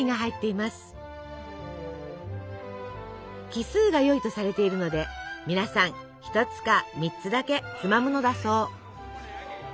奇数がよいとされているので皆さん１つか３つだけつまむのだそう。